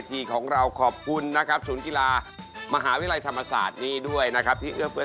เชื่อคนเชื่อ